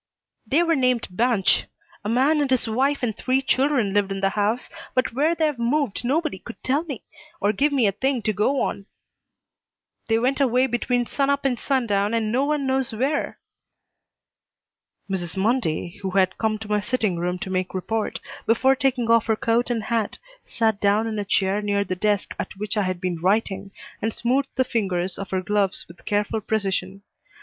"They were named Banch. A man and his wife and three children lived in the house, but where they've moved nobody could tell me, or give me a thing to go on. They went away between sun up and sun down and no one knows where." Mrs. Mundy, who had come to my sitting room to make report, before taking off her coat and hat, sat down in a chair near the desk at which I had been writing, and smoothed the fingers of her gloves with careful precision.